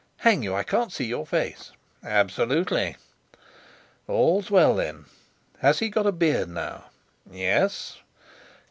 Hang you, I can't see your face." "Absolutely." "All's well, then. Has he got a beard now?" "Yes."